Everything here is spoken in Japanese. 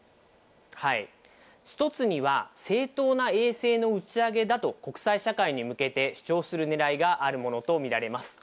１つには、正当な衛星の打ち上げだと国際社会に向けて主張する狙いがあるものとみられます。